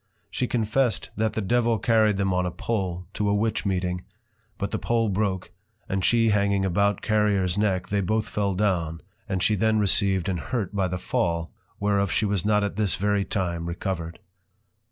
She confessed, that the Devil carry'd them on a pole, to a Witch meeting; but the pole broke, and she hanging about Carriers neck, they both fell down, and she then received an hurt by the Fall, whereof she was not at this very time recovered.